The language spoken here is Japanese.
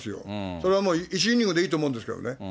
それはもう１イニングでいいと思うんですけどね。